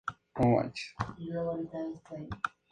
Pero tampoco se conserva este.